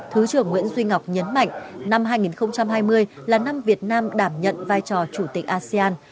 thứ trưởng nguyễn duy ngọc nhấn mạnh năm hai nghìn hai mươi là năm việt nam đảm nhận vai trò chủ tịch asean